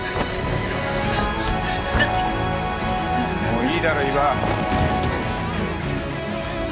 もういいだろ伊庭。